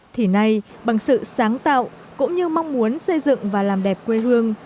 thì nay bằng sự sáng tạo cũng như mong muốn xây dựng và làm đẹp quê hương